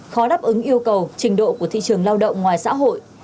khó đáp ứng yêu cầu trình độ của thị trường lao động ngoài xã hội